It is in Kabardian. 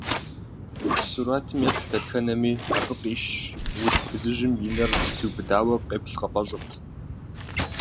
Сурэтым еплъ дэтхэнэми, абы къищ уд фызыжьым и нэр къытриубыдауэ къеплъ къыфӏэщӏырт.